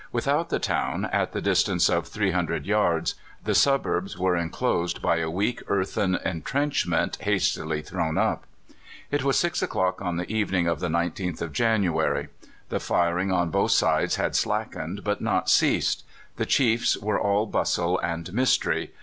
Without the town, at the distance of 300 yards, the suburbs were enclosed by a weak earthen entrenchment, hastily thrown up. It was six o'clock on the evening of the 19th of January. The firing on both sides had slackened, but not ceased. The chiefs were all bustle and mystery.